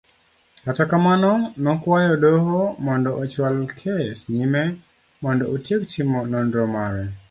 Kata kamano nokwayo doho mondo ochwal kes nyime mondo otiek timo nonro mare.